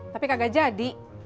tapi kagak jadi